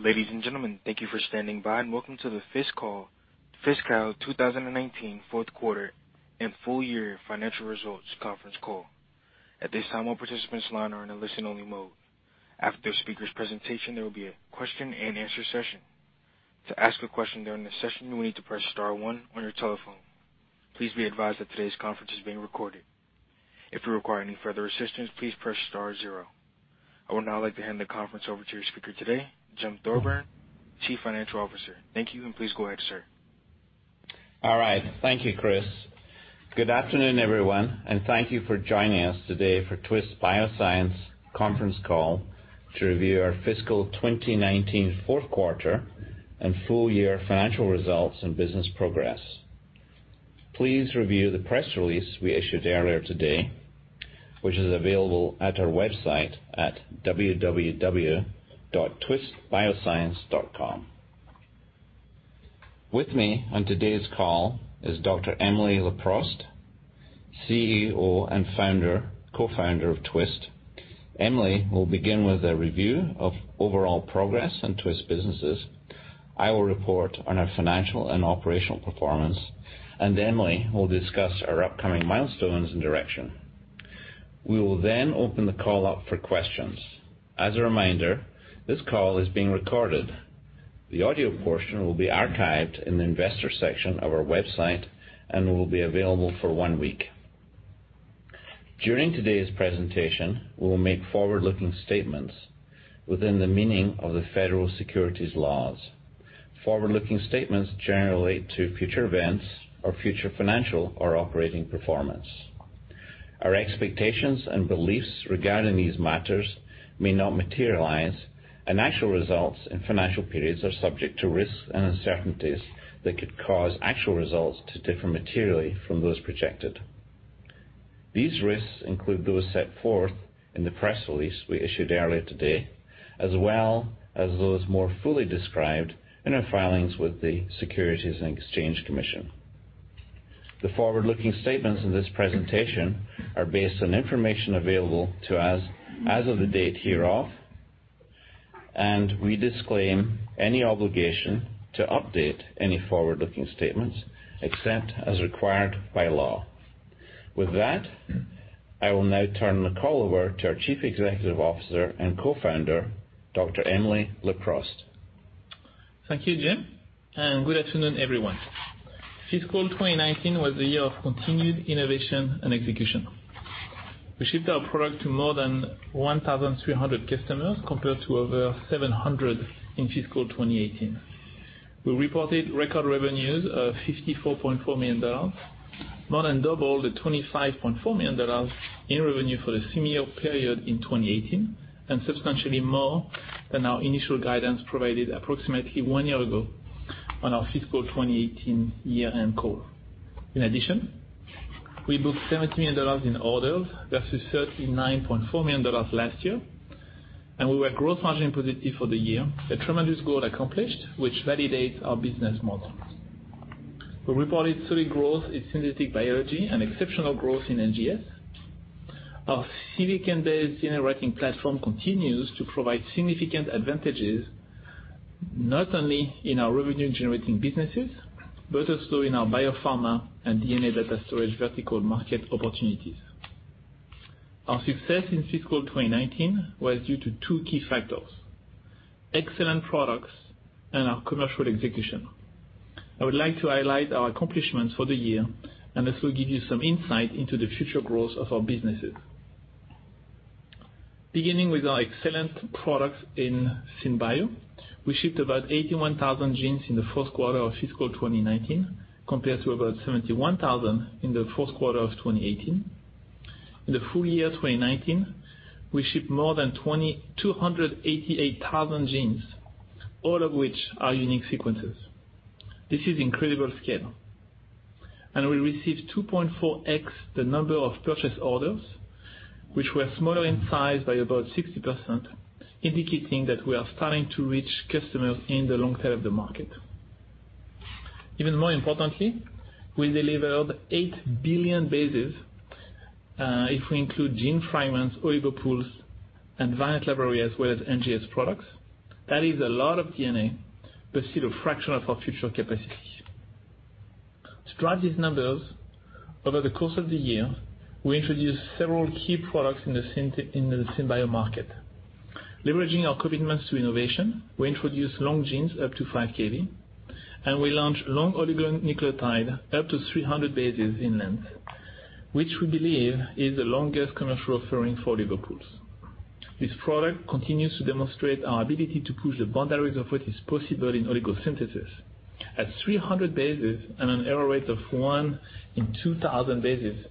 Ladies and gentlemen, thank you for standing by and welcome to the Twist Call, Twist Bio 2019 fourth quarter and full year financial results conference call. At this time, all participants line are in a listen-only mode. After the speaker's presentation, there will be a question and answer session. To ask a question during the session, you will need to press star one on your telephone. Please be advised that today's conference is being recorded. If you require any further assistance, please press star zero. I would now like to hand the conference over to your speaker today, Jim Thorburn, Chief Financial Officer. Thank you, and please go ahead, sir. All right. Thank you, Chris. Good afternoon, everyone. Thank you for joining us today for Twist Bioscience conference call to review our fiscal 2019 fourth quarter and full year financial results and business progress. Please review the press release we issued earlier today, which is available at our website at www.twistbioscience.com. With me on today's call is Dr. Emily Leproust, CEO and Co-Founder of Twist. Emily will begin with a review of overall progress in Twist businesses. I will report on our financial and operational performance. Emily will discuss our upcoming milestones and direction. We will open the call up for questions. As a reminder, this call is being recorded. The audio portion will be archived in the investor section of our website and will be available for one week. During today's presentation, we will make forward-looking statements within the meaning of the federal securities laws. Forward-looking statements generally to future events or future financial or operating performance. Our expectations and beliefs regarding these matters may not materialize, and actual results and financial periods are subject to risks and uncertainties that could cause actual results to differ materially from those projected. These risks include those set forth in the press release we issued earlier today, as well as those more fully described in our filings with the Securities and Exchange Commission. The forward-looking statements in this presentation are based on information available to us as of the date hereof, and we disclaim any obligation to update any forward-looking statements except as required by law. With that, I will now turn the call over to our Chief Executive Officer and co-founder, Dr. Emily Leproust. Thank you, Jim, and good afternoon, everyone. Fiscal 2019 was a year of continued innovation and execution. We shipped our product to more than 1,300 customers, compared to over 700 in fiscal 2018. We reported record revenues of $54.4 million, more than double the $25.4 million in revenue for the same year period in 2018, and substantially more than our initial guidance provided approximately one year ago on our fiscal 2018 year-end call. In addition, we booked $70 million in orders versus $39.4 million last year, and we were gross margin positive for the year, a tremendous goal accomplished, which validates our business model. We reported solid growth in synthetic biology and exceptional growth in NGS. Our silicon-based platform continues to provide significant advantages, not only in our revenue-generating businesses, but also in our biopharma and DNA data storage vertical market opportunities. Our success in fiscal 2019 was due to two key factors, excellent products and our commercial execution. I would like to highlight our accomplishments for the year, and this will give you some insight into the future growth of our businesses. Beginning with our excellent products in SynBio, we shipped about 81,000 genes in the fourth quarter of fiscal 2019, compared to about 71,000 in the fourth quarter of 2018. In the full year 2019, we shipped more than 288,000 genes, all of which are unique sequences. This is incredible scale. We received 2.4x the number of purchase orders, which were smaller in size by about 60%, indicating that we are starting to reach customers in the long tail of the market. Even more importantly, we delivered 8 billion bases, if we include gene fragments, Oligo Pools, and libraries with NGS products. That is a lot of DNA, still a fraction of our future capacity. To drive these numbers, over the course of the year, we introduced several key products in the SynBio market. Leveraging our commitments to innovation, we introduced long genes up to 5 KB, and we launched long oligonucleotide up to 300 bases in length, which we believe is the longest commercial offering for Oligo Pools. This product continues to demonstrate our ability to push the boundaries of what is possible in oligosynthesis. At 300 bases and an error rate of 1 in 2,000 bases,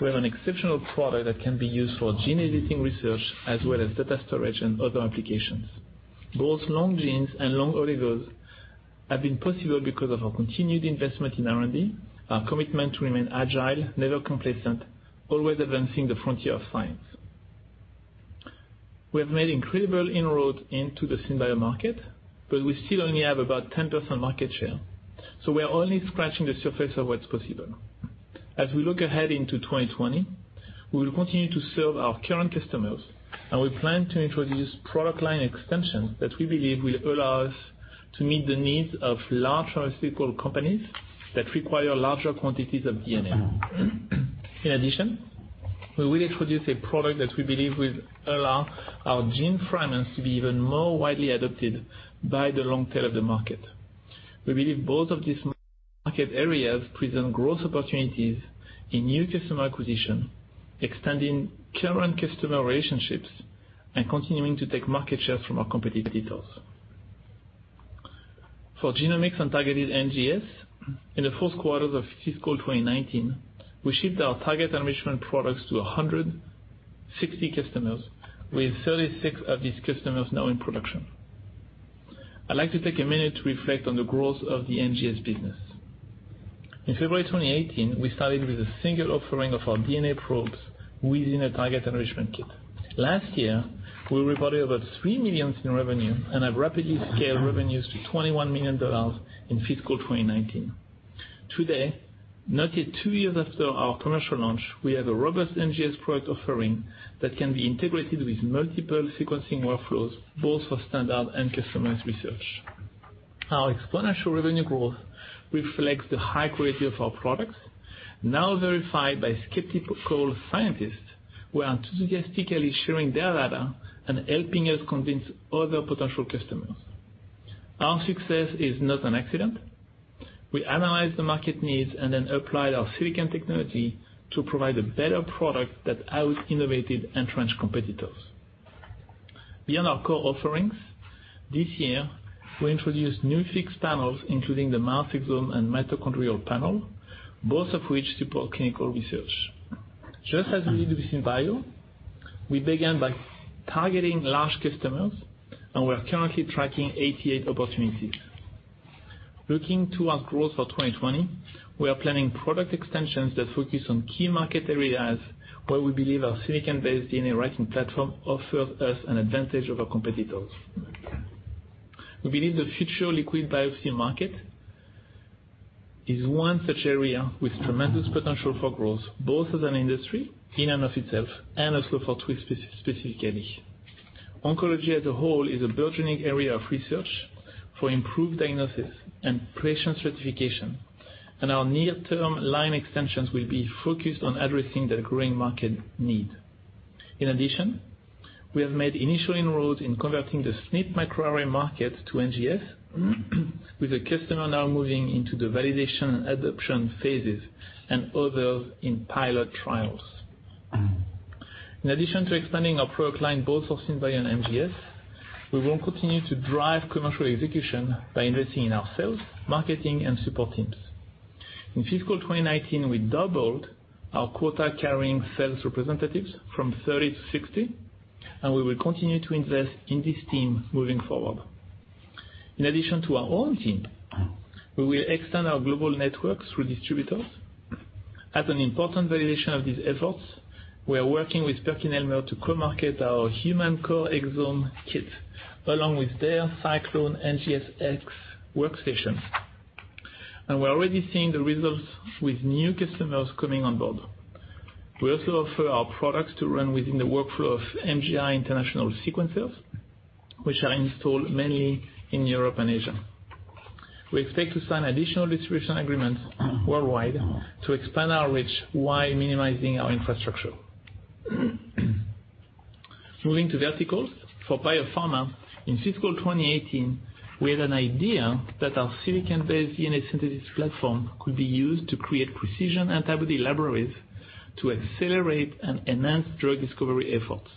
we have an exceptional product that can be used for gene editing research as well as data storage and other applications. Both long genes and long oligos have been possible because of our continued investment in R&D, our commitment to remain agile, never complacent, always advancing the frontier of science. We have made incredible inroads into the SynBio market, but we still only have about 10% market share, so we are only scratching the surface of what's possible. As we look ahead into 2020, we will continue to serve our current customers, and we plan to introduce product line extensions that we believe will allow us to meet the needs of large pharmaceutical companies that require larger quantities of DNA. In addition, we will introduce a product that we believe will allow our gene fragments to be even more widely adopted by the long tail of the market. We believe both of these market areas present growth opportunities in new customer acquisition, extending current customer relationships, and continuing to take market share from our competitors. For genomics and targeted NGS, in the fourth quarter of fiscal 2019, we shipped our target enrichment products to 160 customers, with 36 of these customers now in production. I'd like to take a minute to reflect on the growth of the NGS business. In February 2018, we started with a single offering of our DNA probes within a target enrichment kit. Last year, we reported over $3 million in revenue and have rapidly scaled revenues to $21 million in fiscal 2019. Today, not yet 2 years after our commercial launch, we have a robust NGS product offering that can be integrated with multiple sequencing workflows, both for standard and customer research. Our exponential revenue growth reflects the high quality of our products, now verified by skeptical scientists who are enthusiastically sharing their data and helping us convince other potential customers. Our success is not an accident. We analyzed the market needs and then applied our silicon technology to provide a better product that out-innovated entrenched competitors. Beyond our core offerings, this year, we introduced new fixed panels, including the oncogene and mitochondrial panel, both of which support clinical research. Just as we did with SynBio, we began by targeting large customers, and we are currently tracking 88 opportunities. Looking to our growth for 2020, we are planning product extensions that focus on key market areas where we believe our silicon-based DNA writing platform offers us an advantage over competitors. We believe the future liquid biopsy market is one such area with tremendous potential for growth, both as an industry in and of itself and also for Twist specifically. oncology as a whole is a burgeoning area of research for improved diagnosis and patient stratification. Our near-term line extensions will be focused on addressing the growing market need. In addition, we have made initial inroads in converting the SNP microarray market to NGS, with a customer now moving into the validation and adoption phases, and others in pilot trials. In addition to expanding our product line, both sourcing via NGS, we will continue to drive commercial execution by investing in our sales, marketing, and support teams. In fiscal 2019, we doubled our quota-carrying sales representatives from 30 to 60, and we will continue to invest in this team moving forward. In addition to our own team, we will extend our global network through distributors. As an important validation of these efforts, we are working with PerkinElmer to co-market our Twist Human Core Exome Kit, along with their Sciclone G3 NGSx Workstation. We're already seeing the results with new customers coming on board. We also offer our products to run within the workflow of MGI sequencers, which are installed mainly in Europe and Asia. We expect to sign additional distribution agreements worldwide to expand our reach while minimizing our infrastructure. Moving to verticals, for biopharma, in fiscal 2018, we had an idea that our silicon-based DNA synthesis platform could be used to create precision antibody libraries to accelerate and enhance drug discovery efforts.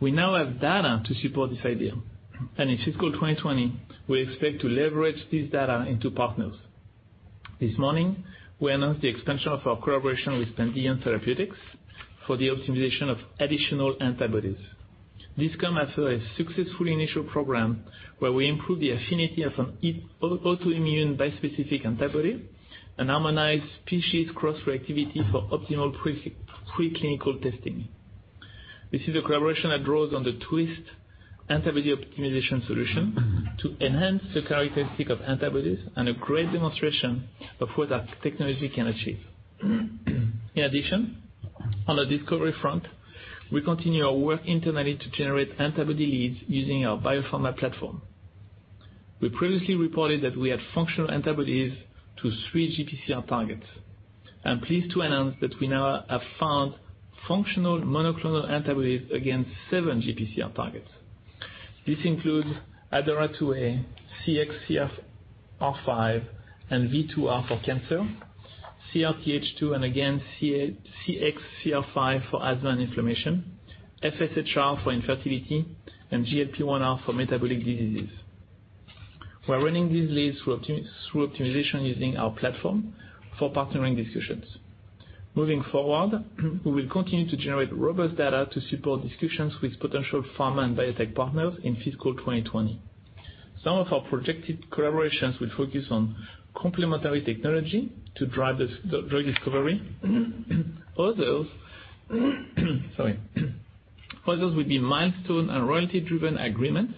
We now have data to support this idea, and in fiscal 2020, we expect to leverage this data into partners. This morning, we announced the expansion of our collaboration with Pandion Therapeutics for the optimization of additional antibodies. This comes after a successful initial program where we improved the affinity of an autoimmune bispecific antibody, and optimized species cross-reactivity for optimal preclinical testing. This is a collaboration that draws on the Twist antibody optimization solution to enhance the characteristics of antibodies and a great demonstration of what our technology can achieve. In addition, on the discovery front, we continue our work internally to generate antibody leads using our biopharma platform. We previously reported that we had functional antibodies to three GPCR targets. I'm pleased to announce that we now have found functional monoclonal antibodies against seven GPCR targets. This includes ADORA2A, CXCR5, and V2R for cancer, CRTH2 and again CXCR5 for asthma and inflammation, FSHR for infertility, and GLP1R for metabolic diseases. We're running these leads through optimization using our platform for partnering discussions. Moving forward, we will continue to generate robust data to support discussions with potential pharma and biotech partners in fiscal 2020. Some of our projected collaborations will focus on complementary technology to drive drug discovery. Others will be milestone and royalty-driven agreements,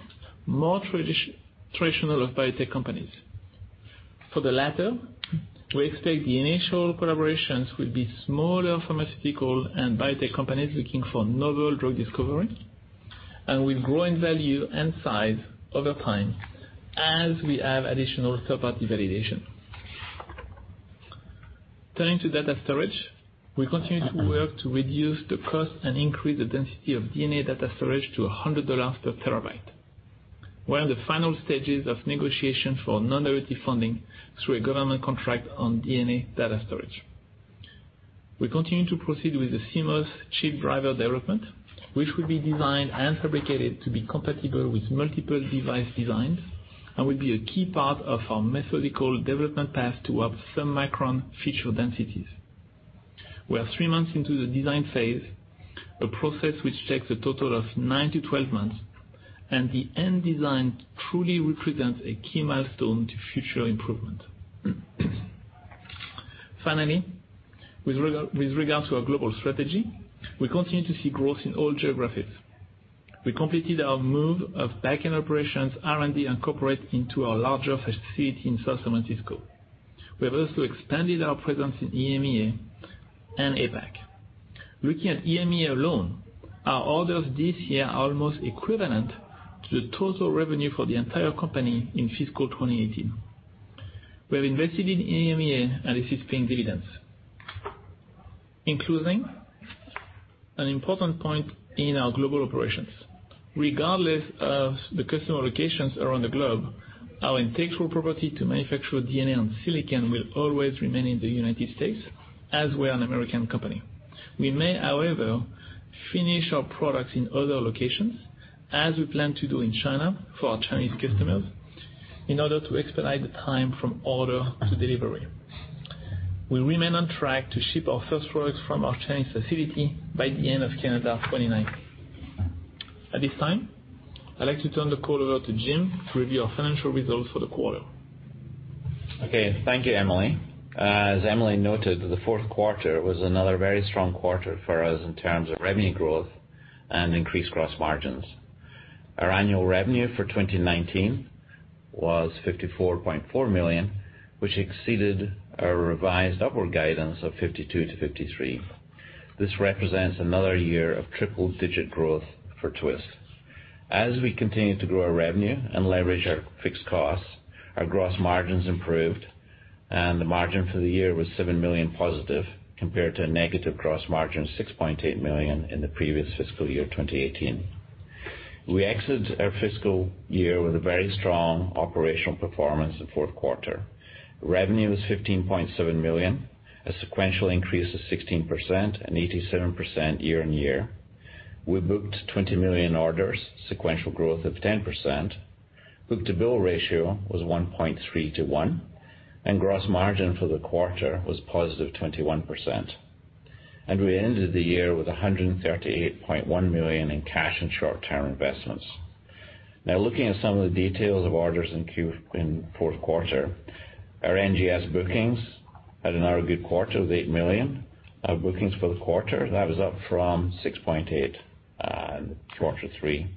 more traditional of biotech companies. For the latter, we expect the initial collaborations will be smaller pharmaceutical and biotech companies looking for novel drug discovery, and will grow in value and size over time as we have additional third-party validation. Turning to data storage, we continue to work to reduce the cost and increase the density of DNA data storage to $100 per terabyte. We're in the final stages of negotiation for non-dilutive funding through a government contract on DNA data storage. We continue to proceed with the CMOS chip driver development, which will be designed and fabricated to be compatible with multiple device designs and will be a key part of our methodical development path towards submicron feature densities. We are three months into the design phase, a process which takes a total of nine to 12 months, and the end design truly represents a key milestone to future improvement. Finally, with regards to our global strategy, we continue to see growth in all geographies. We completed our move of backend operations, R&D, and corporate into our larger facility in San Francisco. We have also expanded our presence in EMEA and APAC. Looking at EMEA alone, our orders this year are almost equivalent to the total revenue for the entire company in fiscal 2018. We have invested in EMEA, and this is paying dividends. In closing, an important point in our global operations. Regardless of the customer locations around the globe, our intellectual property to manufacture DNA on silicon will always remain in the United States, as we're an American company. We may, however, finish our products in other locations, as we plan to do in China for our Chinese customers, in order to expedite the time from order to delivery. We remain on track to ship our first products from our Chinese facility by the end of calendar 2019. At this time, I'd like to turn the call over to Jim to review our financial results for the quarter. Okay. Thank you, Emily. As Emily noted, the fourth quarter was another very strong quarter for us in terms of revenue growth and increased gross margins. Our annual revenue for 2019 was $54.4 million, which exceeded our revised upward guidance of $52 million-$53 million. This represents another year of triple-digit growth for Twist. As we continue to grow our revenue and leverage our fixed costs, our gross margins improved, the margin for the year was $7 million positive, compared to a negative gross margin $6.8 million in the previous fiscal year 2018. We exit our fiscal year with a very strong operational performance in the fourth quarter. Revenue was $15.7 million, a sequential increase of 16% and 87% year-on-year. We booked $20 million orders, sequential growth of 10%. Book-to-bill ratio was 1.3 to 1, gross margin for the quarter was positive 21%. We ended the year with $138.1 million in cash and short-term investments. Now looking at some of the details of orders in fourth quarter, our NGS bookings had another good quarter with $8 million of bookings for the quarter. That was up from $6.8 in quarter three.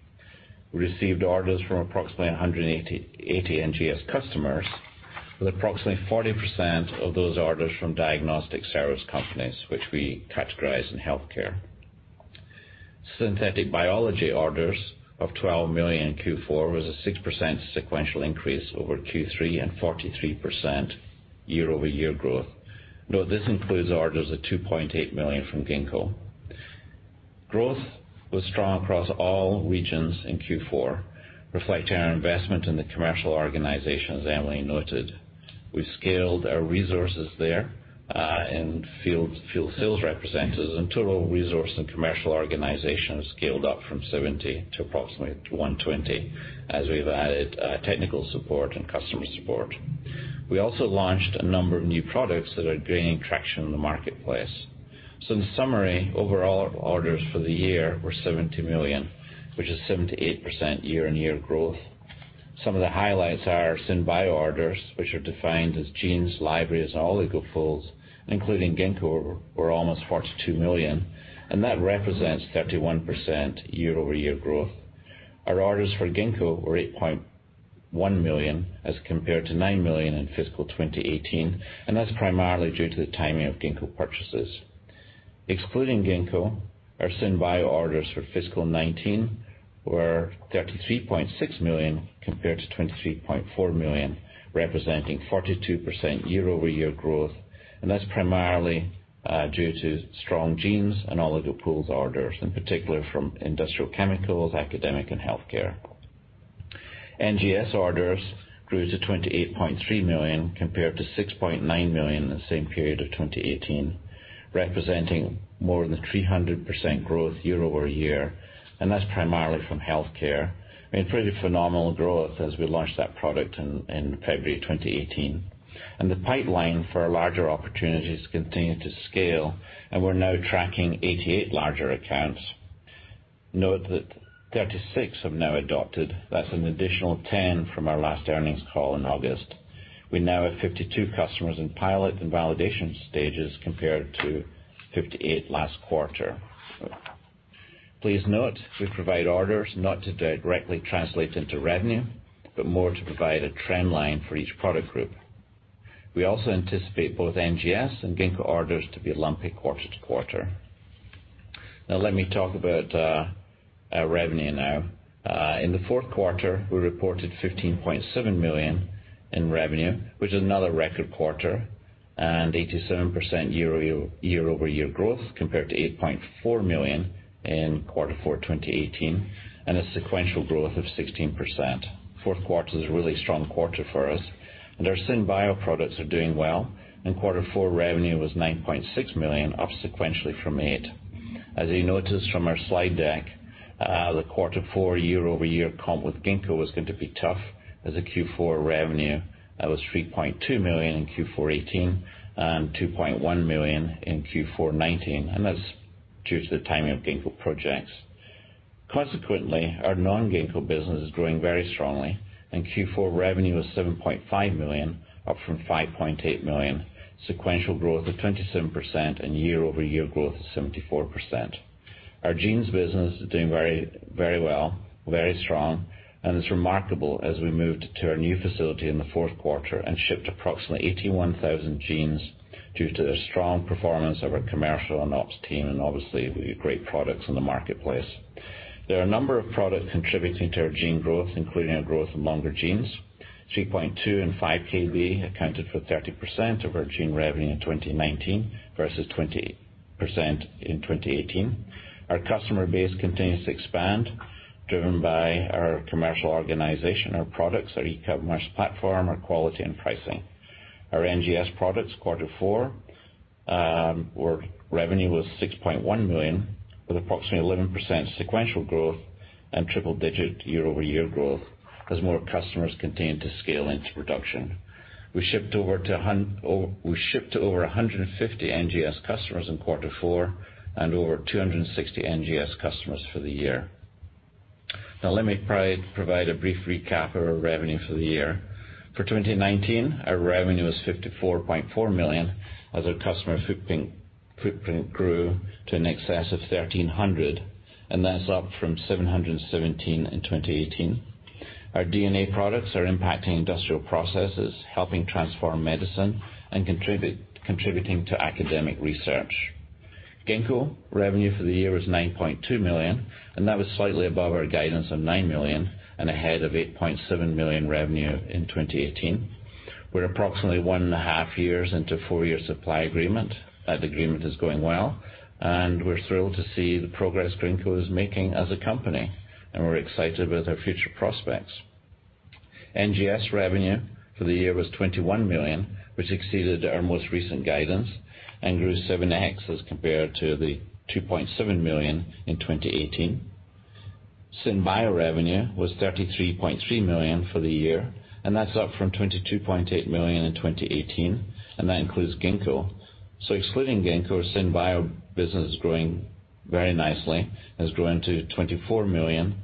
We received orders from approximately 180 NGS customers, with approximately 40% of those orders from diagnostic service companies, which we categorize in healthcare. Synthetic biology orders of $12 million in Q4 was a 6% sequential increase over Q3 and 43% year-over-year growth. Note this includes orders of $2.8 million from Ginkgo. Growth was strong across all regions in Q4, reflecting our investment in the commercial organization, as Emily noted. We've scaled our resources there, in field sales representatives, and total resource and commercial organization has scaled up from 70 to approximately 120 as we've added technical support and customer support. We also launched a number of new products that are gaining traction in the marketplace. In summary, overall orders for the year were $70 million, which is 78% year-over-year growth. Some of the highlights are SynBio orders, which are defined as genes, libraries, and Oligo Pools, including Ginkgo, were almost $42 million, and that represents 31% year-over-year growth. Our orders for Ginkgo were $8.1 million as compared to $9 million in fiscal 2018, and that's primarily due to the timing of Ginkgo purchases. Excluding Ginkgo, our SynBio orders for fiscal 2019 were $33.6 million compared to $23.4 million, representing 42% year-over-year growth, and that's primarily due to strong genes and Oligo Pools orders, in particular from industrial chemicals, academic, and healthcare. NGS orders grew to $28.3 million compared to $6.9 million in the same period of 2018, representing more than 300% growth year-over-year. That's primarily from healthcare. I mean, pretty phenomenal growth as we launched that product in February 2018. The pipeline for larger opportunities continue to scale, and we're now tracking 88 larger accounts. Note that 36 have now adopted. That's an additional 10 from our last earnings call in August. We now have 52 customers in pilot and validation stages, compared to 58 last quarter. Please note, we provide orders not to directly translate into revenue, but more to provide a trend line for each product group. We also anticipate both NGS and Ginkgo orders to be lumpy quarter-to-quarter. Let me talk about our revenue now. In the fourth quarter, we reported $15.7 million in revenue, which is another record quarter, and 87% year-over-year growth compared to $8.4 million in quarter four 2018, and a sequential growth of 16%. Fourth quarter is a really strong quarter for us. Our SynBio products are doing well. In quarter four, revenue was $9.6 million, up sequentially from $8. As you noticed from our slide deck, the quarter four year-over-year comp with Ginkgo was going to be tough, as the Q4 revenue was $3.2 million in Q4 2018 and $2.1 million in Q4 2019, and that's due to the timing of Ginkgo projects. Consequently, our non-Ginkgo business is growing very strongly, and Q4 revenue was $7.5 million, up from $5.8 million, sequential growth of 27% and year-over-year growth of 74%. Our genes business is doing very well, very strong. It's remarkable as we moved to our new facility in the fourth quarter and shipped approximately 81,000 genes due to the strong performance of our commercial and Ops team, obviously with great products in the marketplace. There are a number of products contributing to our gene growth, including a growth in longer genes. 3.2 and 5 KB accounted for 30% of our gene revenue in 2019 versus 20% in 2018. Our customer base continues to expand, driven by our commercial organization, our products, our e-commerce platform, our quality and pricing. Our NGS products quarter four, revenue was $6.1 million with approximately 11% sequential growth and triple digit year-over-year growth as more customers continue to scale into production. We shipped to over 150 NGS customers in quarter four and over 260 NGS customers for the year. Now let me provide a brief recap of our revenue for the year. For 2019, our revenue was $54.4 million as our customer footprint grew to in excess of 1,300, and that's up from 717 in 2018. Our DNA products are impacting industrial processes, helping transform medicine, and contributing to academic research. Ginkgo revenue for the year was $9.2 million, and that was slightly above our guidance of $9 million and ahead of $8.7 million revenue in 2018. We're approximately one and a half years into four-year supply agreement. That agreement is going well, and we're thrilled to see the progress Ginkgo is making as a company, and we're excited with their future prospects. NGS revenue for the year was $21 million, which exceeded our most recent guidance and grew 7X as compared to the $2.7 million in 2018. SynBio revenue was $33.3 million for the year, and that's up from $22.8 million in 2018, and that includes Ginkgo. Excluding Ginkgo or SynBio, business is growing very nicely, has grown to $24 million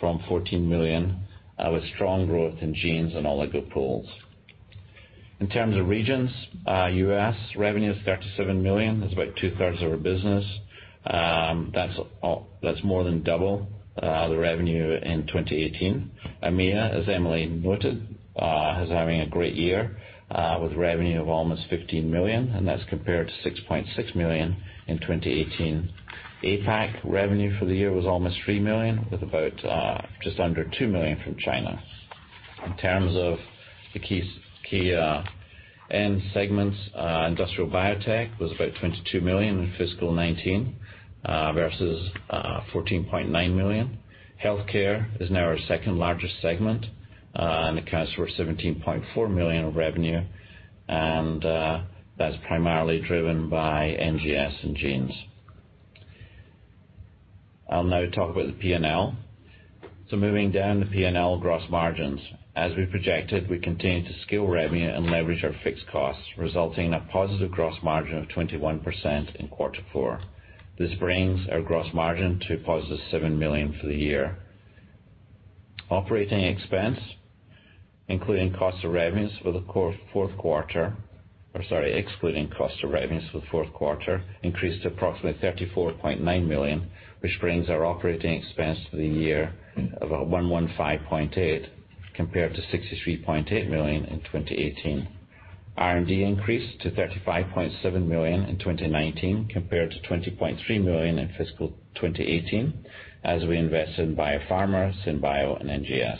from $14 million, with strong growth in genes and Oligo Pools. In terms of regions, U.S. revenue is $37 million. That's about two-thirds of our business. That's more than double the revenue in 2018. EMEA, as Emily noted, is having a great year with revenue of almost $15 million, and that's compared to $6.6 million in 2018. APAC revenue for the year was almost $3 million with about just under $2 million from China. In terms of the key end segments, industrial biotech was about $22 million in fiscal 2019 versus $14.9 million. Healthcare is now our second-largest segment, and accounts for $17.4 million of revenue, and that's primarily driven by NGS and genes. I'll now talk about the P&L. Moving down the P&L gross margins. As we projected, we continued to scale revenue and leverage our fixed costs, resulting in a positive gross margin of 21% in quarter four. This brings our gross margin to positive $7 million for the year. Operating expense, excluding cost of revenues for the fourth quarter, increased to approximately $34.9 million, which brings our operating expense for the year about $115.8 million, compared to $63.8 million in 2018. R&D increased to $35.7 million in 2019 compared to $20.3 million in fiscal 2018 as we invested in biopharma, SynBio, and NGS.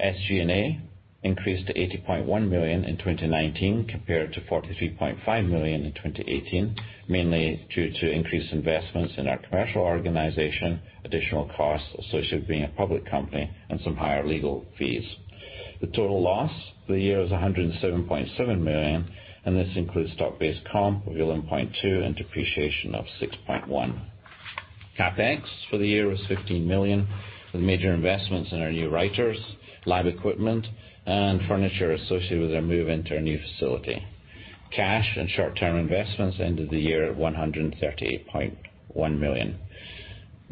SG&A increased to $80.1 million in 2019 compared to $43.5 million in 2018, mainly due to increased investments in our commercial organization, additional costs associated with being a public company, and some higher legal fees. The total loss for the year was $107.7 million. This includes stock-based comp of $11.2 million and depreciation of $6.1 million. CapEx for the year was $15 million, with major investments in our new writers, lab equipment, and furniture associated with our move into our new facility. Cash and short-term investments ended the year at $138.1 million.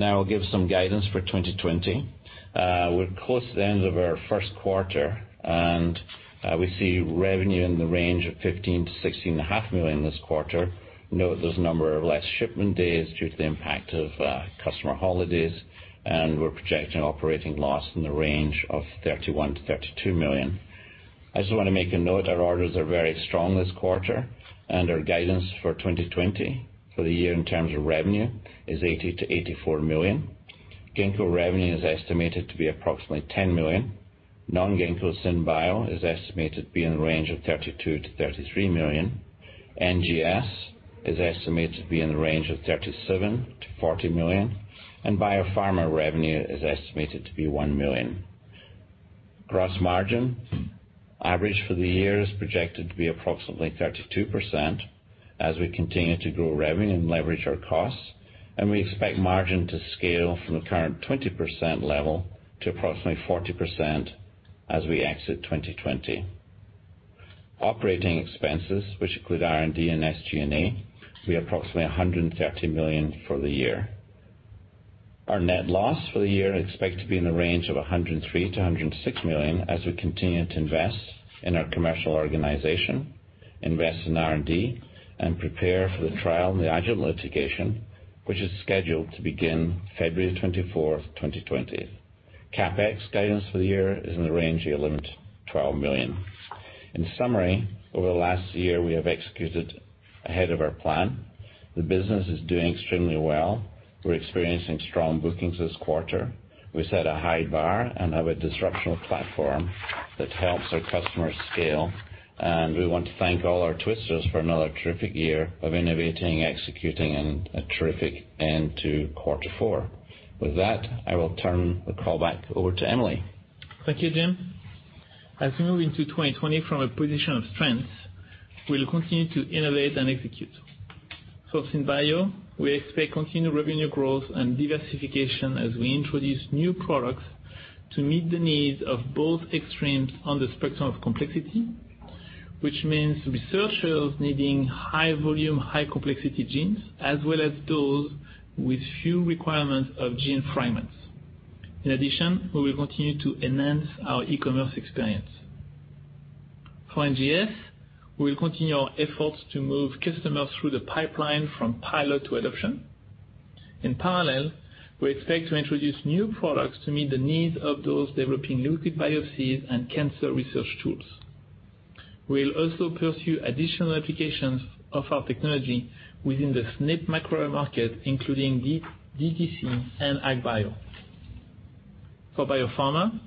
I'll give some guidance for 2020. We're close to the end of our first quarter. We see revenue in the range of $15-$16.5 million this quarter. Note there's a number of less shipment days due to the impact of customer holidays. We're projecting operating loss in the range of $31-$32 million. I just want to make a note, our orders are very strong this quarter. Our guidance for 2020 for the year in terms of revenue is $80-$84 million. Ginkgo revenue is estimated to be approximately $10 million. Non-Ginkgo SynBio is estimated to be in the range of $32 million-$33 million. NGS is estimated to be in the range of $37 million-$40 million. Biopharma revenue is estimated to be $1 million. Gross margin average for the year is projected to be approximately 32% as we continue to grow revenue and leverage our costs, and we expect margin to scale from the current 20% level to approximately 40% as we exit 2020. Operating expenses, which include R&D and SG&A, will be approximately $130 million for the year. Our net loss for the year is expected to be in the range of $103 million-$106 million as we continue to invest in our commercial organization, invest in R&D, and prepare for the trial in the Agilent litigation, which is scheduled to begin February 24th, 2020. CapEx guidance for the year is in the range of $11 million-$12 million. In summary, over the last year, we have executed ahead of our plan. The business is doing extremely well. We're experiencing strong bookings this quarter. We set a high bar and have a disruptional platform that helps our customers scale. We want to thank all our Twisters for another terrific year of innovating, executing, and a terrific end to quarter four. With that, I will turn the call back over to Emily. Thank you, Jim. As we move into 2020 from a position of strength, we'll continue to innovate and execute. For SynBio, we expect continued revenue growth and diversification as we introduce new products to meet the needs of both extremes on the spectrum of complexity, which means researchers needing high volume, high complexity genes, as well as those with few requirements of gene fragments. In addition, we will continue to enhance our e-commerce experience. For NGS, we will continue our efforts to move customers through the pipeline from pilot to adoption. In parallel, we expect to introduce new products to meet the needs of those developing liquid biopsies and cancer research tools. We'll also pursue additional applications of our technology within the SNP microarray market, including DDC and AgBio. For biopharma,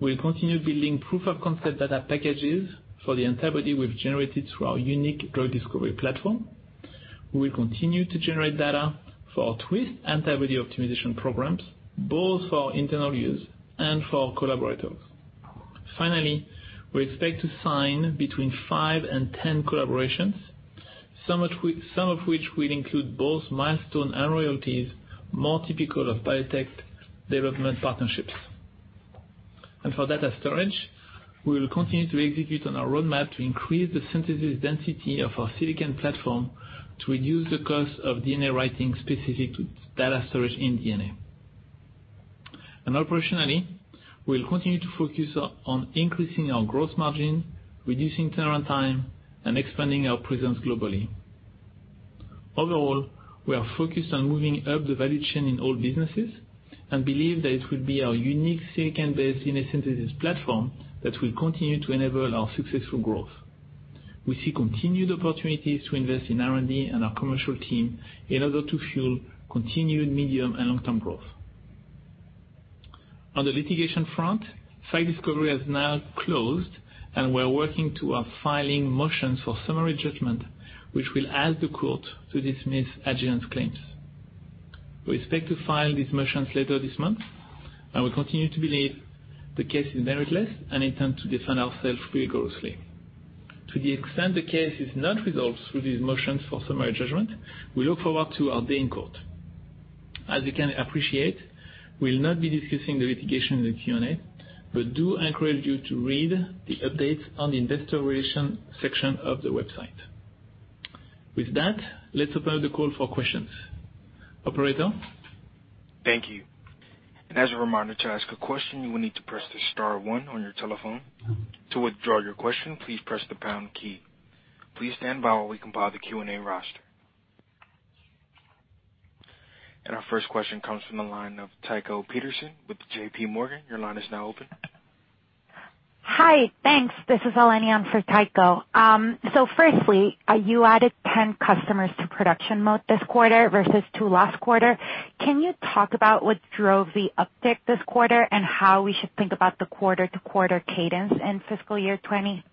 we'll continue building proof of concept data packages for the antibody we've generated through our unique drug discovery platform. We will continue to generate data for our Twist antibody optimization programs, both for our internal use and for our collaborators. Finally, we expect to sign between five and 10 collaborations, some of which will include both milestone and royalties more typical of biotech development partnerships. For data storage, we will continue to execute on our roadmap to increase the synthesis density of our silicon platform to reduce the cost of DNA writing specific to data storage in DNA. Operationally, we'll continue to focus on increasing our gross margin, reducing turnaround time, and expanding our presence globally. Overall, we are focused on moving up the value chain in all businesses and believe that it will be our unique silicon-based DNA synthesis platform that will continue to enable our successful growth. We see continued opportunities to invest in R&D and our commercial team in order to fuel continued medium and long-term growth. On the litigation front, site discovery has now closed, and we're working to our filing motions for summary judgment, which will ask the court to dismiss Agilent's claims. We expect to file these motions later this month, and we continue to believe the case is meritless and intend to defend ourselves vigorously. To the extent the case is not resolved through these motions for summary judgment, we look forward to our day in court. As you can appreciate, we'll not be discussing the litigation in the Q&A, but do encourage you to read the updates on the investor relation section of the website. With that, let's open the call for questions. Operator? Thank you. As a reminder, to ask a question, you will need to press the star 1 on your telephone. To withdraw your question, please press the pound key. Please stand by while we compile the Q&A roster. Our first question comes from the line of Tycho Peterson with J.P. Morgan. Your line is now open. Hi. Thanks. This is Eleni on for Tycho. Firstly, you added 10 customers to production mode this quarter versus two last quarter. Can you talk about what drove the uptick this quarter and how we should think about the quarter-to-quarter cadence in fiscal year 2020?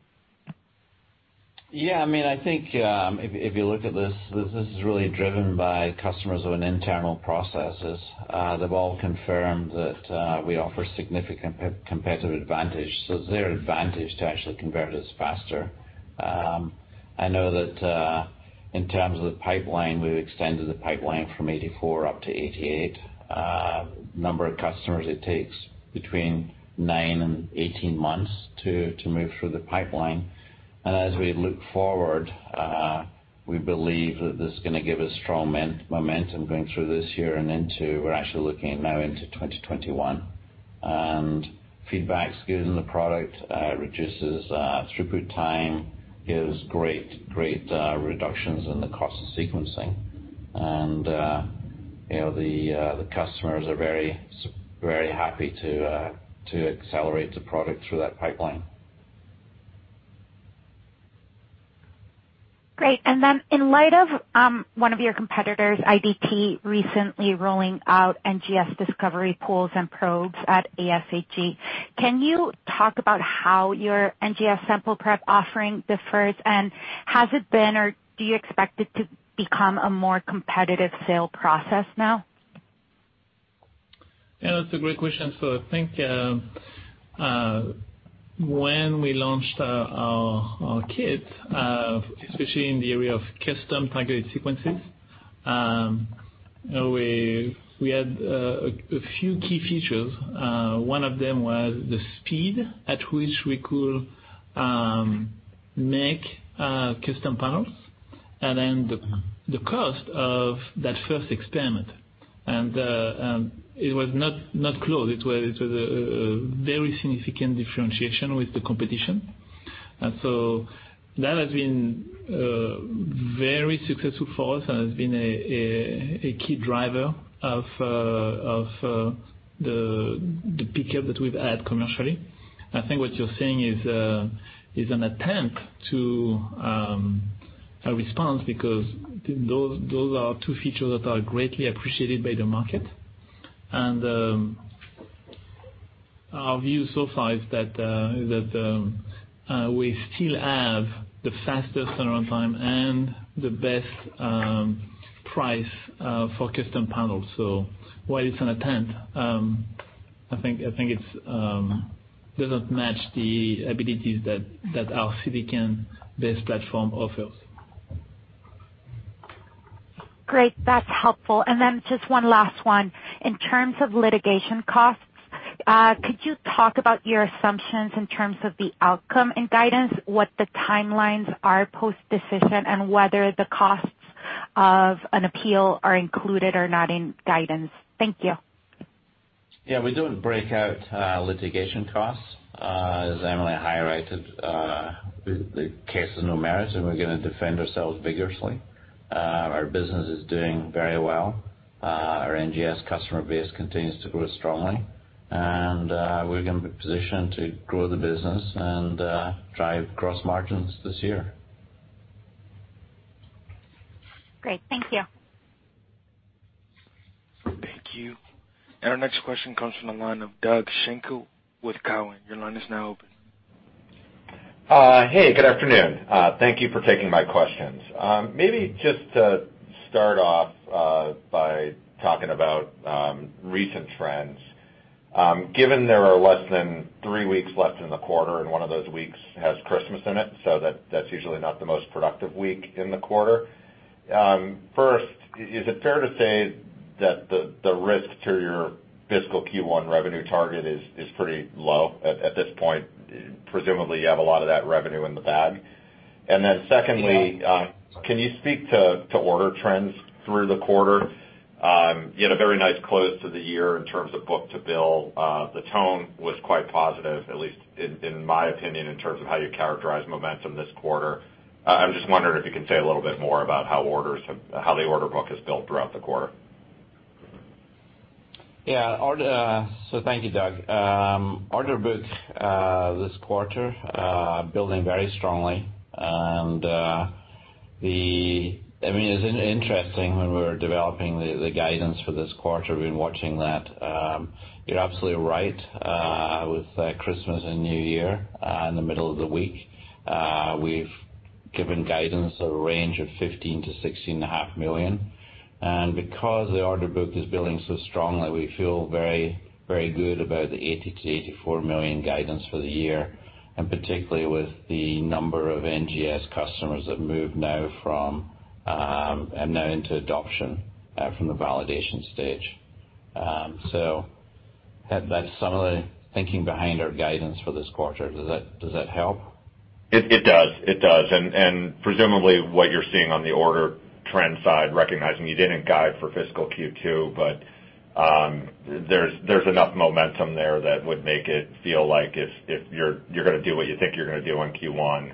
Yeah. I think if you look at this is really driven by customers with internal processes. They've all confirmed that we offer significant competitive advantage, so it's their advantage to actually convert to us faster. I know that in terms of the pipeline, we've extended the pipeline from 84 up to 88. Number of customers it takes between nine and 18 months to move through the pipeline. As we look forward, we believe that this is going to give us strong momentum going through this year and into, we're actually looking now into 2021. Feedback is good and the product reduces throughput time, gives great reductions in the cost of sequencing. The customers are very happy to accelerate the product through that pipeline. Great. In light of one of your competitors, IDT, recently rolling out NGS discovery pools and probes at ASHG, can you talk about how your NGS sample prep offering differs, and has it been, or do you expect it to become a more competitive sale process now? Yeah, that's a great question. I think, when we launched our kit, especially in the area of custom targeted sequences, we had a few key features. One of them was the speed at which we could make custom panels and then the cost of that first experiment. It was not close. It was a very significant differentiation with the competition. That has been very successful for us and has been a key driver of the pickup that we've had commercially. I think what you're saying is an attempt to a response because those are two features that are greatly appreciated by the market. Our view so far is that we still have the fastest turnaround time and the best price for custom panels. While it's an attempt, I think it doesn't match the abilities that our silicon-based platform offers. Great. That's helpful. Then just one last one. In terms of litigation costs, could you talk about your assumptions in terms of the outcome and guidance, what the timelines are post-decision, and whether the costs of an appeal are included or not in guidance? Thank you. Yeah. We don't break out litigation costs. As Emily highlighted, the case has no merits. We're going to defend ourselves vigorously. Our business is doing very well. Our NGS customer base continues to grow strongly. We're going to be positioned to grow the business and drive gross margins this year. Great. Thank you. Thank you. Our next question comes from the line of Doug Schenkel with Cowen. Your line is now open. Hey, good afternoon. Thank you for taking my questions. Maybe just to start off by talking about recent trends. Given there are less than three weeks left in the quarter and one of those weeks has Christmas in it, so that's usually not the most productive week in the quarter. First, is it fair to say that the risk to your fiscal Q1 revenue target is pretty low at this point? Presumably, you have a lot of that revenue in the bag. Secondly. Yeah Can you speak to order trends through the quarter? You had a very nice close to the year in terms of book to bill. The tone was quite positive, at least in my opinion, in terms of how you characterize momentum this quarter. I'm just wondering if you can say a little bit more about how the order book has built throughout the quarter. Thank you, Doug. Order book, this quarter, building very strongly. It's interesting when we were developing the guidance for this quarter, we've been watching that. You're absolutely right, with Christmas and New Year in the middle of the week. We've given guidance of a range of $15 million-$16.5 million. Because the order book is building so strongly, we feel very good about the $80 million-$84 million guidance for the year, particularly with the number of NGS customers that move now into adoption from the validation stage. That's some of the thinking behind our guidance for this quarter. Does that help? It does. Presumably, what you're seeing on the order trend side, recognizing you didn't guide for fiscal Q2, but there's enough momentum there that would make it feel like if you're going to do what you think you're going to do in Q1,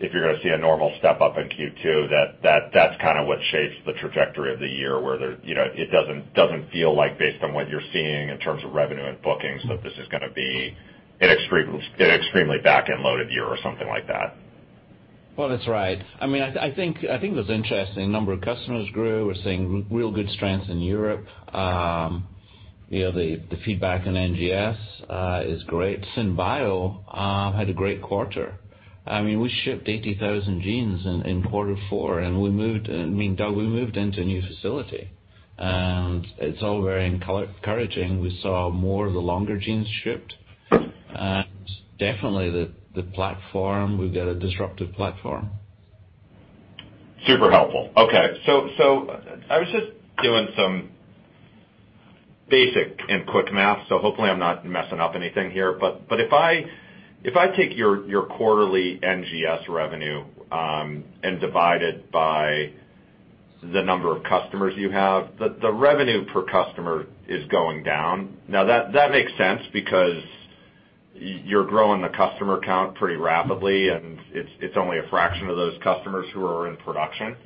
if you're going to see a normal step-up in Q2, that's what shapes the trajectory of the year where it doesn't feel like based on what you're seeing in terms of revenue and bookings, that this is going to be an extremely back-end loaded year or something like that. Well, that's right. I think what's interesting, the number of customers grew. We're seeing real good strengths in Europe. The feedback on NGS is great. SynBio had a great quarter. We shipped 80,000 genes in quarter four and we moved, Doug, into a new facility, and it's all very encouraging. We saw more of the longer genes shipped. Definitely the platform, we've got a disruptive platform Super helpful. Okay. I was just doing some basic and quick math, so hopefully I'm not messing up anything here. If I take your quarterly NGS revenue and divide it by the number of customers you have, the revenue per customer is going down. That makes sense because you're growing the customer count pretty rapidly, and it's only a fraction of those customers who are in production.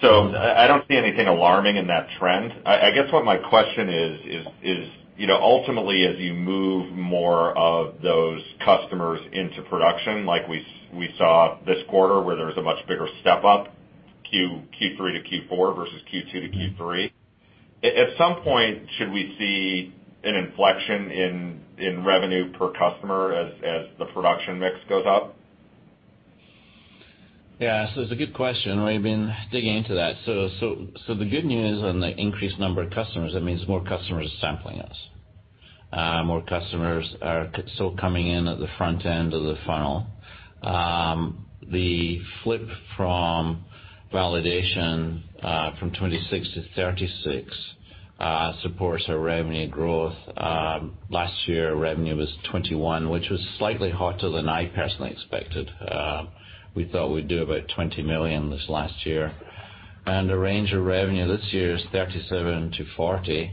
I don't see anything alarming in that trend. I guess what my question is, ultimately, as you move more of those customers into production, like we saw this quarter, where there's a much bigger step up, Q3 to Q4 versus Q2 to Q3. At some point, should we see an inflection in revenue per customer as the production mix goes up? It's a good question. We've been digging into that. The good news on the increased number of customers, that means more customers sampling us. More customers are still coming in at the front end of the funnel. The flip from validation from 26 to 36 supports our revenue growth. Last year, revenue was $21 million, which was slightly hotter than I personally expected. We thought we'd do about $20 million this last year. The range of revenue this year is $37 million-$40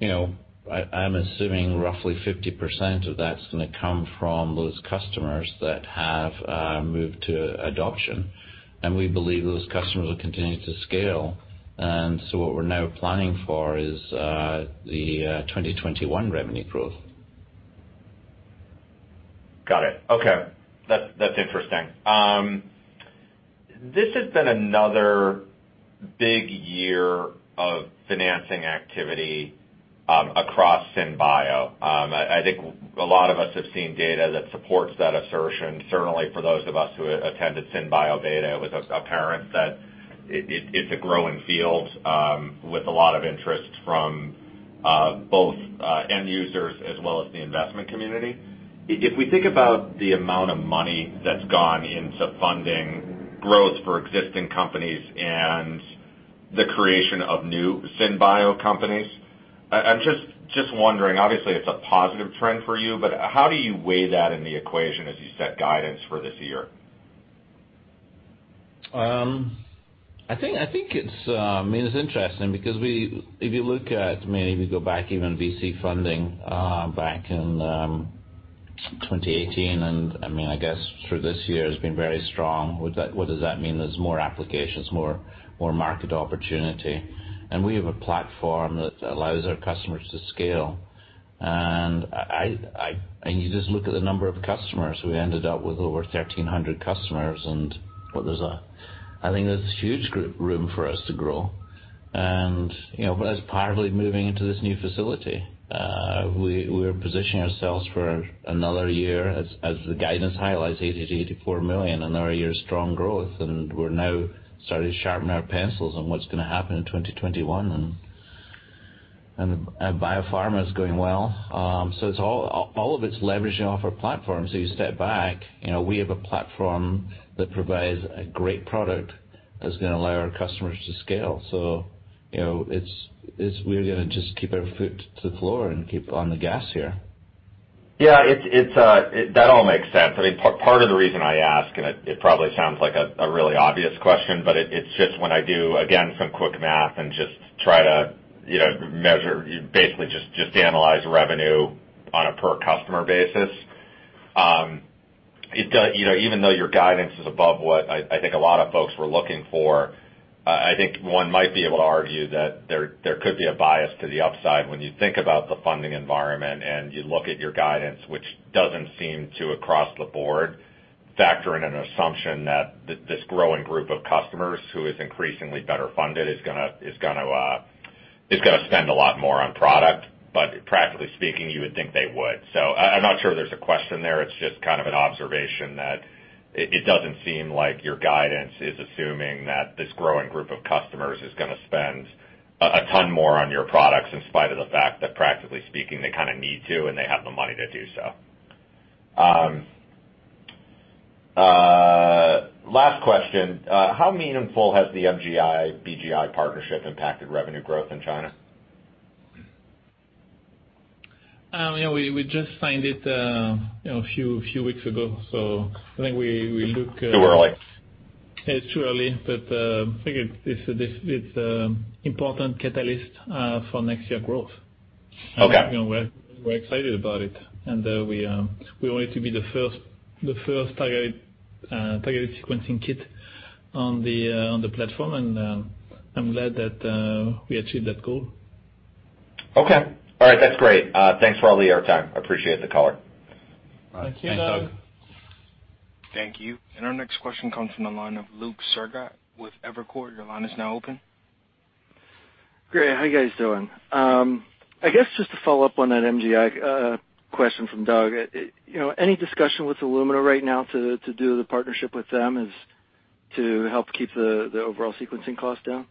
million. I'm assuming roughly 50% of that's going to come from those customers that have moved to adoption. We believe those customers will continue to scale. What we're now planning for is the 2021 revenue growth. Got it. Okay. That's interesting. This has been another big year of financing activity across SynBio. I think a lot of us have seen data that supports that assertion. Certainly, for those of us who attended SynBioBeta, it was apparent that it's a growing field with a lot of interest from both end users as well as the investment community. If we think about the amount of money that's gone into funding growth for existing companies and the creation of new SynBio companies, I'm just wondering, obviously, it's a positive trend for you, but how do you weigh that in the equation as you set guidance for this year? I think it's interesting because if you look at, maybe go back even VC funding back in 2018, and I guess through this year has been very strong. What does that mean? There's more applications, more market opportunity. We have a platform that allows our customers to scale. You just look at the number of customers. We ended up with over 1,300 customers, and I think there's huge room for us to grow. That's partly moving into this new facility. We're positioning ourselves for another year as the guidance highlights $80 million-$84 million, another year of strong growth. We're now starting to sharpen our pencils on what's going to happen in 2021. Our biopharma is going well. All of it's leveraging off our platform. You step back, we have a platform that provides a great product that's going to allow our customers to scale. We're going to just keep our foot to the floor and keep on the gas here. Yeah. That all makes sense. Part of the reason I ask, and it probably sounds like a really obvious question, but it's just when I do, again, some quick math and just try to measure, basically just analyze revenue on a per customer basis. Even though your guidance is above what I think a lot of folks were looking for, I think one might be able to argue that there could be a bias to the upside when you think about the funding environment and you look at your guidance, which doesn't seem to, across the board, factor in an assumption that this growing group of customers who is increasingly better funded is going to spend a lot more on product. Practically speaking, you would think they would. I'm not sure there's a question there. It's just kind of an observation that it doesn't seem like your guidance is assuming that this growing group of customers is going to spend a ton more on your products, in spite of the fact that practically speaking, they kind of need to, and they have the money to do so. Last question, how meaningful has the MGI-BGI partnership impacted revenue growth in China? We just signed it a few weeks ago. Too early. It's too early, but I think it's important catalyst for next year growth. Okay. We're excited about it, and we want it to be the first targeted sequencing kit on the platform. I'm glad that we achieved that goal. Okay. All right. That's great. Thanks for all the air time. I appreciate the call. Thank you. Thanks, Doug. Thank you. Our next question comes from the line of Luke Sergott with Evercore. Your line is now open. Great. How you guys doing? I guess just to follow up on that MGI question from Doug. Any discussion with Illumina right now to do the partnership with them is to help keep the overall sequencing cost down?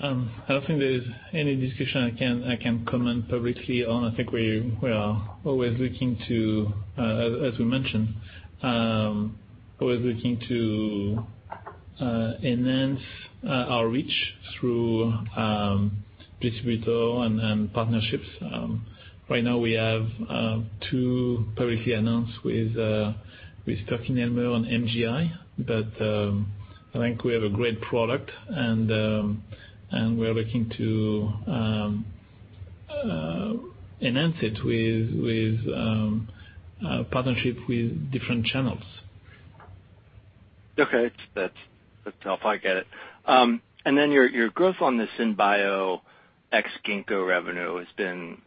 I don't think there's any discussion I can comment publicly on. I think we are always looking to, as we mentioned, enhance our reach through distributor and partnerships. Right now we have two publicly announced with PerkinElmer on MGI, but I think we have a great product and we are looking to enhance it with partnership with different channels. Okay. That's helpful. I get it. Your growth on the SynBio ex Ginkgo revenue has been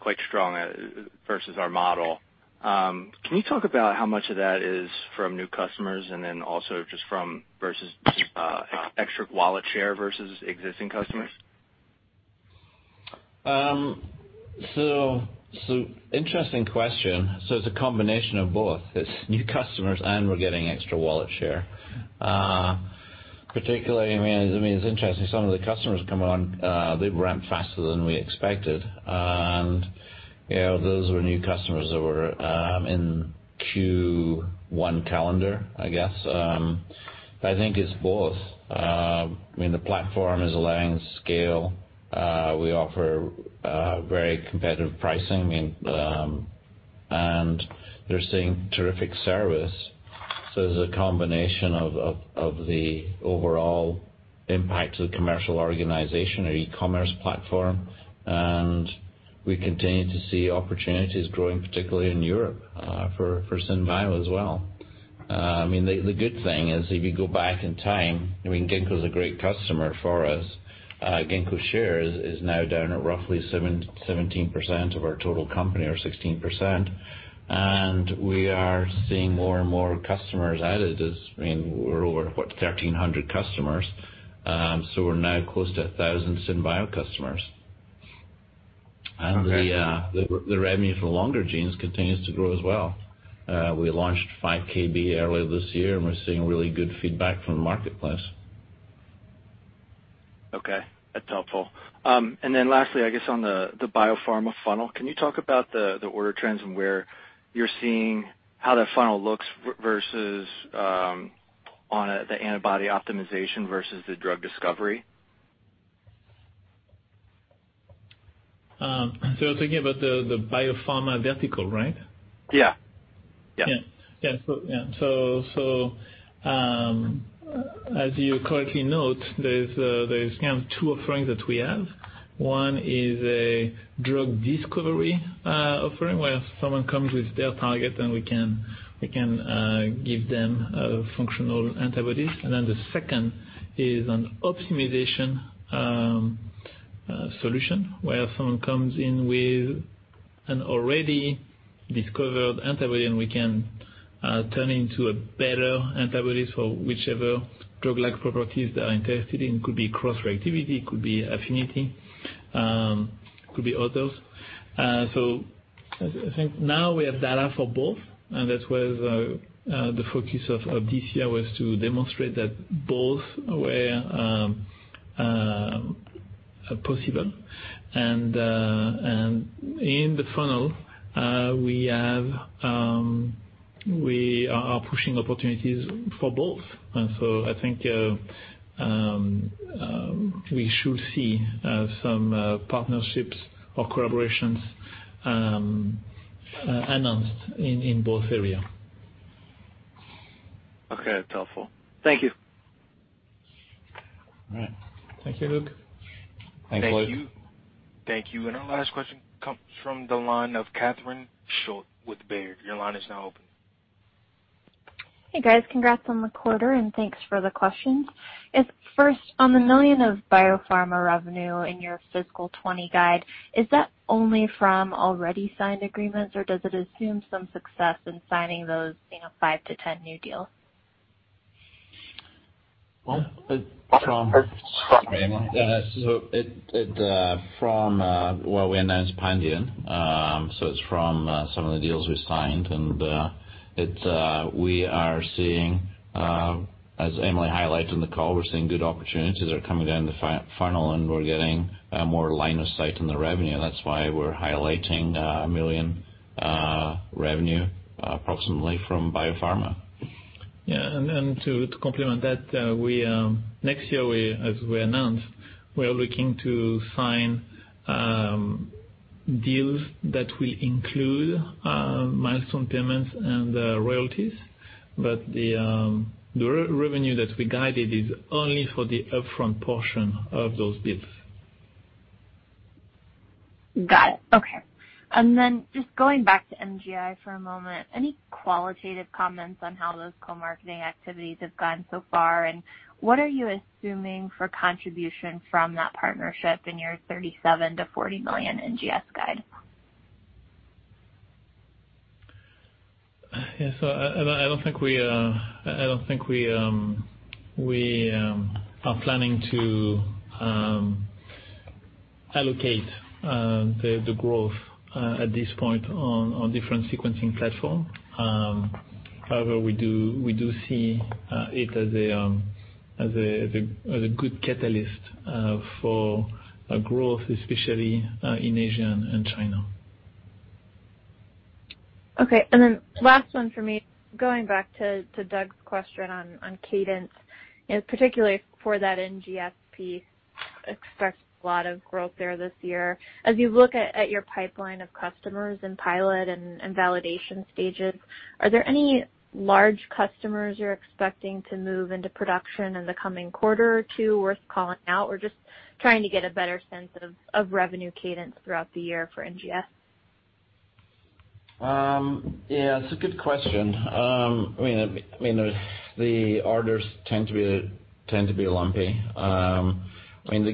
quite strong versus our model. Can you talk about how much of that is from new customers and then also just from versus extra wallet share versus existing customers? Interesting question. It's a combination of both. It's new customers and we're getting extra wallet share. Particularly, it's interesting, some of the customers come on, they ramp faster than we expected. Those were new customers that were in Q1 calendar, I guess. I think it's both. The platform is allowing scale. We offer very competitive pricing and they're seeing terrific service. It's a combination of the overall impact to the commercial organization or e-commerce platform. We continue to see opportunities growing, particularly in Europe, for SynBio as well. The good thing is, if you go back in time, Ginkgo's a great customer for us. Ginkgo share is now down at roughly 17% of our total company or 16%. We are seeing more and more customers added as we're over, what, 1,300 customers. We're now close to 1,000 SynBio customers. Okay. The revenue for longer genes continues to grow as well. We launched 5KB earlier this year and we're seeing really good feedback from the marketplace. Okay. That's helpful. Lastly, I guess on the biopharma funnel, can you talk about the order trends and where you're seeing how that funnel looks versus on the antibody optimization versus the drug discovery? You're thinking about the biopharma vertical, right? Yeah. Yeah. As you correctly note, there's two offerings that we have. One is a drug discovery offering where someone comes with their target and we can give them a functional antibodies. The second is an optimization solution where someone comes in with an already discovered antibody and we can turn into a better antibodies for whichever drug-like properties they are interested in. Could be cross-reactivity, could be affinity, could be others. I think now we have data for both and that was the focus of this year was to demonstrate that both were possible and in the funnel we are pushing opportunities for both. I think we should see some partnerships or collaborations announced in both area. Okay. That's helpful. Thank you. All right. Thank you, Luke. Thanks, Luke. Thank you. Our last question comes from the line of Catherine Schulte with Baird. Your line is now open. Hey guys, congrats on the quarter and thanks for the questions. First, on the $1 million of biopharma revenue in your fiscal 2020 guide, is that only from already signed agreements or does it assume some success in signing those five to 10 new deals? Well, it's. Sorry, Emily. It from what we announced Pandion, so it's from some of the deals we signed and we are seeing as Emily highlighted in the call, we're seeing good opportunities that are coming down the funnel and we're getting more line of sight in the revenue. That's why we're highlighting $1 million revenue approximately from biopharma. To complement that, next year as we announced, we are looking to sign deals that will include milestone payments and royalties. The revenue that we guided is only for the upfront portion of those deals. Got it. Okay. Just going back to MGI for a moment, any qualitative comments on how those co-marketing activities have gone so far and what are you assuming for contribution from that partnership in your $37 million-$40 million NGS guide? Yeah, I don't think we are planning to allocate the growth at this point on different sequencing platform. However, we do see it as a good catalyst for growth, especially in Asia and China. Okay. Last one for me, going back to Doug's question on cadence, particularly for that NGS, expect a lot of growth there this year. As you look at your pipeline of customers in pilot and validation stages, are there any large customers you're expecting to move into production in the coming quarter or two worth calling out? Just trying to get a better sense of revenue cadence throughout the year for NGS. Yeah, it's a good question. The orders tend to be lumpy. The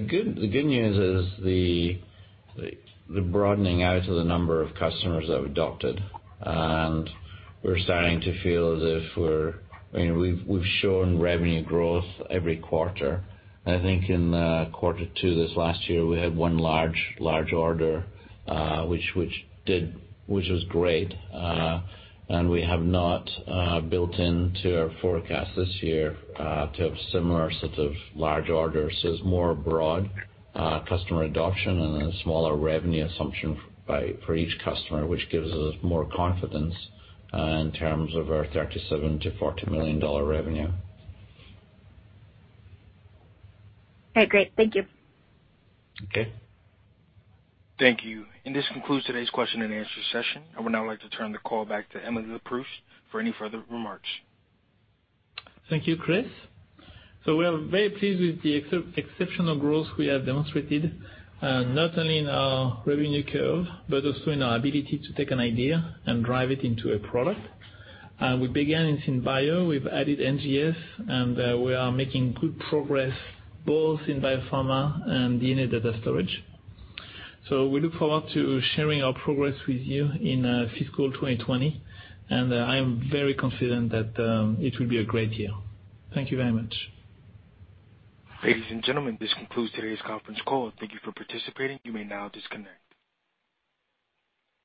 good news is the broadening out of the number of customers that we've adopted, we're starting to feel as if We've shown revenue growth every quarter. I think in quarter two this last year, we had one large order, which was great. We have not built into our forecast this year to have similar sorts of large orders. It's more broad customer adoption and a smaller revenue assumption for each customer, which gives us more confidence in terms of our $37 million-$40 million revenue. Okay, great. Thank you. Okay. Thank you. This concludes today's question and answer session. I would now like to turn the call back to Emily Leproust for any further remarks. Thank you, Chris. We are very pleased with the exceptional growth we have demonstrated, not only in our revenue curve, but also in our ability to take an idea and drive it into a product. We began in SynBio, we've added NGS, and we are making good progress both in biopharma and DNA data storage. We look forward to sharing our progress with you in fiscal 2020, and I am very confident that it will be a great year. Thank you very much. Ladies and gentlemen, this concludes today's conference call. Thank you for participating. You may now disconnect.